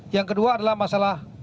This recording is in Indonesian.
yang kedua adalah masalah